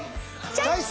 チョイス！